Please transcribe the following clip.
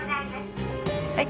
はい。